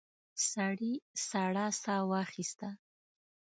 سړي سړه ساه واخيسته.